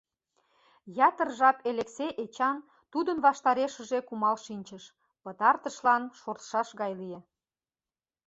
Ятыр жап Элексей Эчан тудын ваштарешыже кумал шинчыш, пытартышлан шортшаш гай лие.